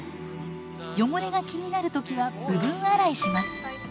汚れが気になる時は部分洗いします。